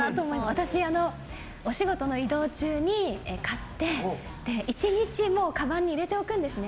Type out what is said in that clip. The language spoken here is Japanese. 私、お仕事の移動中に買って１日、かばんに入れておくんですね。